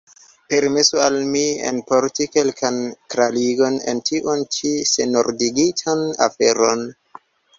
Permesu al mi enporti kelkan klarigon en tiun ĉi senordigitan aferon.